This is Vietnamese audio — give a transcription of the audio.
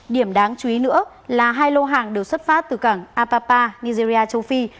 điểm đáng chú ý nữa là hai lô hàng đều xuất phát từ cảng apapa nigeria châu phi